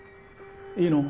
いいの？